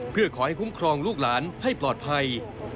เพื่อขอให้คุ้มครองลูกหลานให้ปลอดภัย